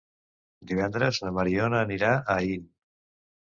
Divendres na Mariona anirà a Aín.